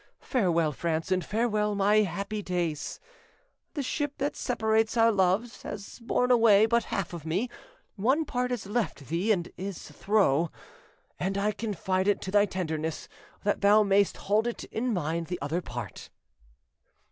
Farewell, France, and farewell my happy days! The ship that separates our loves Has borne away but half of me; One part is left thee and is throe, And I confide it to thy tenderness, That thou may'st hold in mind the other part."'